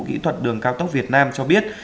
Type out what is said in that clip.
kỹ thuật đường cao tốc việt nam cho biết